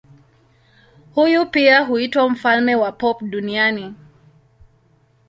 Huyu pia huitwa mfalme wa pop duniani.